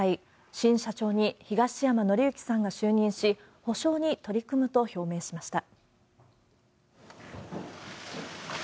新社長に東山紀之さんが就任し、補償に取り組むと表明しました。